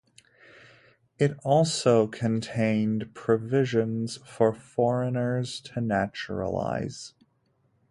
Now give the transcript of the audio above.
It also contained provisions for foreigners to naturalize.